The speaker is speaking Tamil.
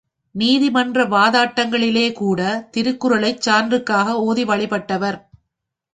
நீதிமன்ற வாதாட்டங்களிலே கூட திருக்குறளைச் சான்றுக்காக ஓதி வழிபட்டவர்!